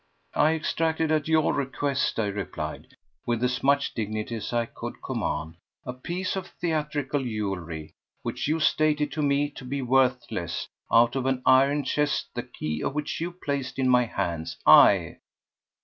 "I extracted, at your request," I replied with as much dignity as I could command, "a piece of theatrical jewellery, which you stated to me to be worthless, out of an iron chest, the key of which you placed in my hands. I